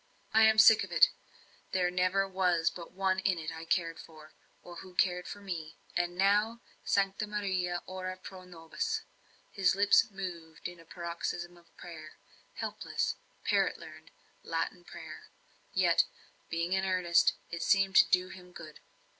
"I am sick of it. There never was but one in it I cared for, or who cared for me and now Sancta Maria, ora pro nobis." His lips moved in a paroxysm of prayer helpless, parrot learnt, Latin prayer; yet, being in earnest, it seemed to do him good.